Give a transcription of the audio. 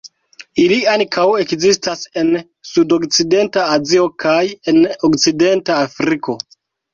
Ili ankaŭ ekzistas en sudokcidenta Azio kaj en okcidenta Afriko.